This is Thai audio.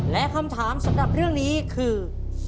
และคำถามสำหรับเรื่องนี้คือ